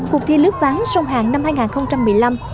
cuộc thi lướt ván sông hàng năm hai nghìn một mươi năm